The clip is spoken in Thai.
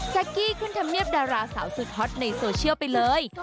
กี้ขึ้นธรรมเนียบดาราสาวสุดฮอตในโซเชียลไปเลย